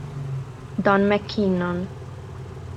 Don McKinnon